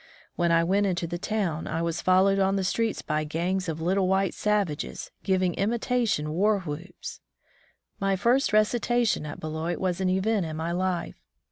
When I went into the town, I was followed on the streets by gangs of little white savages, givmg imitation war whoops. My first recitation at Beloit was an event in my life.